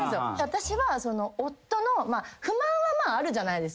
私は夫の不満はまああるじゃないですか。